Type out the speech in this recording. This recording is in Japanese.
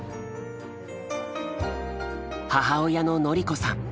母親の典子さん。